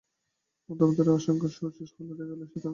মতান্তরের যে আশঙ্কা শশীর ছিল, দেখা গেল সেটা প্রায় অমূলক।